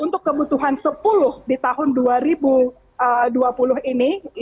untuk kebutuhan sepuluh di tahun dua ribu dua puluh ini